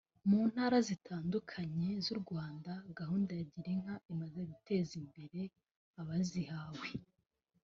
mu ntara zitandukanye z’u Rwanda gahunda ya Girinka imaze guteza imbere abazihawe